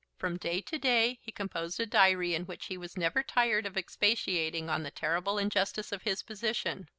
From day to day he composed a diary in which he was never tired of expatiating on the terrible injustice of his position.